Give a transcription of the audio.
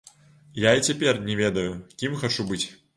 Я і цяпер не ведаю, кім хачу быць.